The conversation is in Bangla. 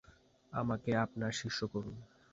আমাকে আপনার শিষ্য করুন।